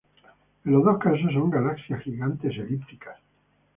En los dos casos son galaxias gigantes elípticas.